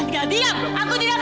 kamu yang akan membusuk di penjara